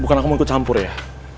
bukan aku mau ikut campur ya